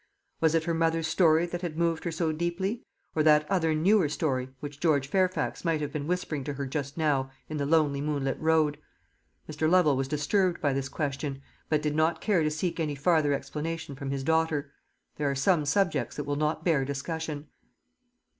Was it her mother's story that had moved her so deeply, or that other newer story which George Fairfax might have been whispering to her just now in the lonely moonlit road? Mr. Lovel was disturbed by this question, but did not care to seek any farther explanation from his daughter. There are some subjects that will not bear discussion.